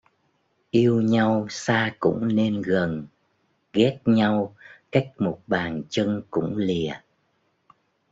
Yêu nhau xa cũng nên gần, ghét nhau cách một bàn chân cũng lìa